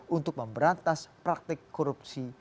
untuk memberantas praktek korupsi